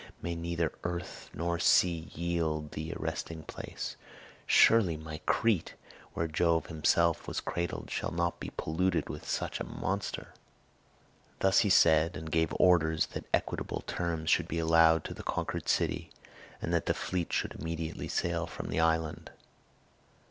May neither earth nor sea yield thee a resting place! Surely, my Crete, where Jove himself was cradled, shall not be polluted with such a monster!" Thus he said, and gave orders that equitable terms should be allowed to the conquered city, and that the fleet should immediately sail from the island.